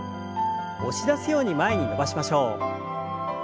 押し出すように前に伸ばしましょう。